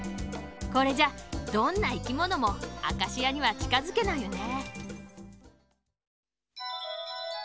これじゃどんないきものもアカシアにはちかづけないよね。